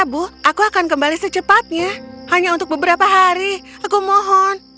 ibu aku akan kembali secepatnya hanya untuk beberapa hari aku mohon